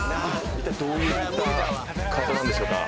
一体どういうカートなんでしょうか？